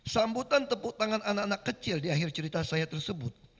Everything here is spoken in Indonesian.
sambutan tepuk tangan anak anak kecil di akhir cerita saya tersebut